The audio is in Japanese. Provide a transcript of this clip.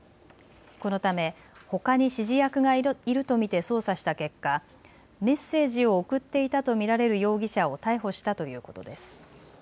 このため、ほかに指示役がいると見て捜査した結果、メッセージを送っていたと見られる容疑者を逮捕したということです。